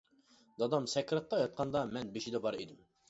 دادام سەكراتتا ياتقاندا مەن بېشىدا بار ئىدىم.